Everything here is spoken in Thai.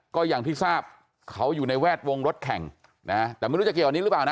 ก็อย่างที่ทราบเขาอยู่ในแวดวงรถแข่งนะแต่ไม่รู้จะเกี่ยวอันนี้หรือเปล่านะ